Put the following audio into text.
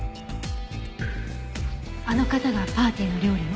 あの方がパーティーの料理を？